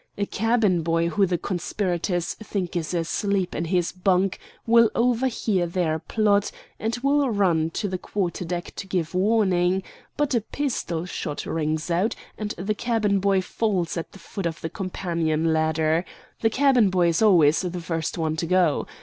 A cabin boy who the conspirators think is asleep in his bunk will overhear their plot and will run to the quarter deck to give warning; but a pistol shot rings out, and the cabin boy falls at the foot of the companion ladder. The cabin boy is always the first one to go.